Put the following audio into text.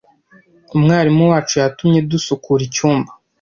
Umwarimu wacu yatumye dusukura icyumba.